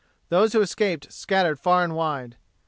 Those who escaped scattered far and wide.